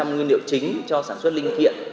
nguyên liệu chính cho sản xuất linh kiện